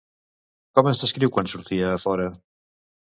Com es descriu quan sortia a fora?